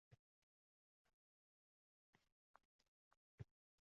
Qamariddin o‘rnidan turib derazaga yaqinlashgancha, tinmay ko‘ziga ro‘molcha bosar edi